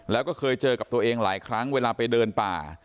แล้วก็เคยเจอกับตัวเองหลายครั้งเวลาไปเดินป่า